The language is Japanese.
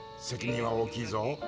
責任は大きいぞ。